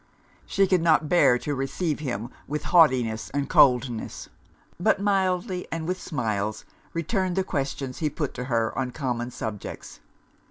She could not bear to receive him with haughtiness and coldness; but mildly, and with smiles, returned the questions he put to her on common subjects.